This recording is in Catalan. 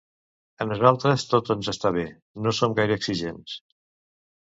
A nosaltres tot ens està bé, no som gaire exigents.